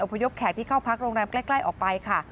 พยพแขกที่เข้าพักโรงแรมใกล้ออกไปค่ะ